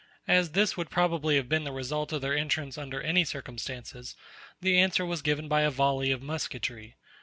As this would probably have been the result of their entrance under any circumstances, the answer was given by a volley of musketry.